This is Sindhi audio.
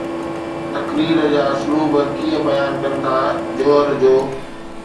تقرير جا اسلوب ڪيئن بيان ڪن ٿا جوهر جو؟